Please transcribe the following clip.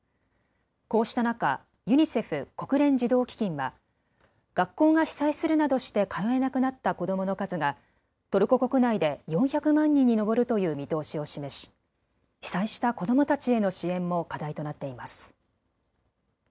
こうした中、ユニセフ・国連児童基金は学校が被災するなどして通えなくなった子どもの数がトルコ国内で４００万人に上るという見通しを示し、被災した子どもたちへの支援も課題となっています。